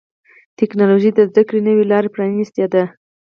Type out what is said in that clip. ټکنالوجي د زدهکړې نوي لارې پرانستې دي.